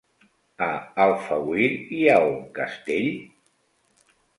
A Alfauir hi ha un castell?